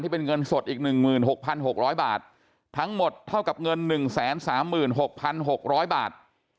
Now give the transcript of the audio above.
เป็นเงินสดอีก๑๖๖๐๐บาททั้งหมดเท่ากับเงิน๑๓๖๖๐๐บาท